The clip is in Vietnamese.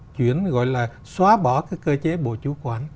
chuyển gọi là xóa bỏ cái cơ chế bộ chủ quản